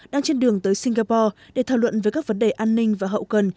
đang trên đường tới singapore để thảo luận về các vấn đề an ninh và hậu cần